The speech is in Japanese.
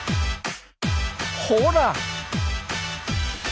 ほら！